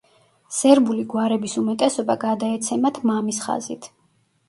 სერბული გვარების უმეტესობა გადაეცემათ მამის ხაზით.